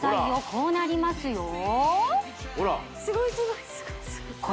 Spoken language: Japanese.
そうなりますよね